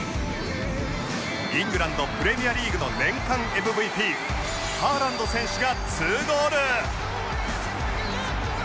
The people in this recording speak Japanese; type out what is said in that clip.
イングランドプレミアリーグの年間 ＭＶＰ ハーランド選手が２ゴール！